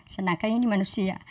sedangkan ini manusia